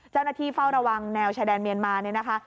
เจ้าหน้าที่เฝ้าระวังแนวชายแดนเมียนมาเนี่ยนะคะ